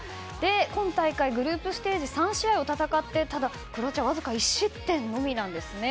今大会、グループステージ３試合を戦ってクロアチアはわずか１失点のみ。